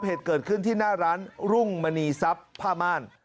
เหตุเกิดขึ้นที่หน้าร้านรุ่งมณีทรัพย์ผ้าม่าน